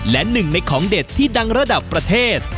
และหนึ่งในของเด็ดที่ดังระดับประเทศ